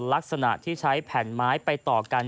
ลักษณะที่ใช้แผ่นไม้ไปต่อกัน